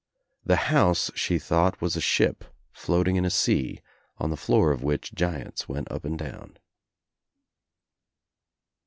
The house she thought was a ship floating in a sea on the floor of which giants went up and down.